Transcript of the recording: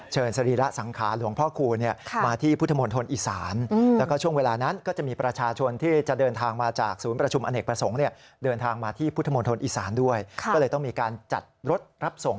เชิญสรีระสังขาหลวงพ่อครูมาที่พุทธมนตร์ธนตร์อีสาน